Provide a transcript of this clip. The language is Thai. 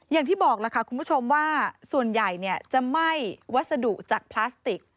อย่างที่บอกล่ะค่ะคุณผู้ชมว่าส่วนใหญ่จะไหม้วัสดุจากพลาสติก